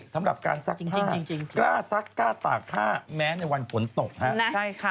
สำหรับการซักจริงกล้าซักกล้าตากผ้าแม้ในวันฝนตกฮะใช่ค่ะ